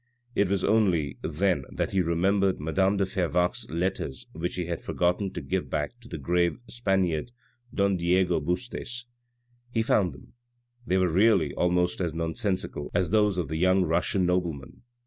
It was only then that he remembered madame de Fervaque's letters which he had forgotten to give back to the grave Spaniard Don Diego Bustos. He found them. They were really almost as nonsensical as those of the young Russian nobleman.